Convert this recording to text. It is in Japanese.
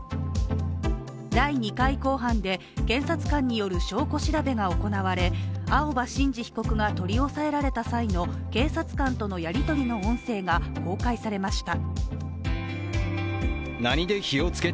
第２回公判で検察官による証拠調べが行われ青葉真司被告が取り押さえられた際の警察官とのやり取りの音声が公開されました。